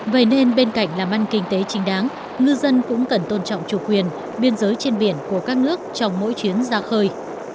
vậy nên bên cạnh làm ăn kinh tế chính đáng ngư dân cũng cần tôn trọng chủ quyền biên giới trên biển của các nước trong mỗi chuyến ra khơi